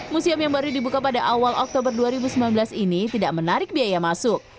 museum yang baru dibuka pada awal oktober dua ribu sembilan belas ini tidak menarik biaya masuk